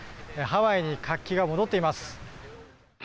ハワイに活気が戻っています。